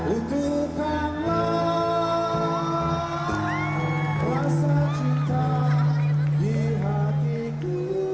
untukkanlah rasa cinta di hatiku